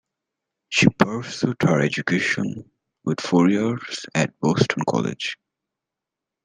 She pursued her education with four years at Boston College.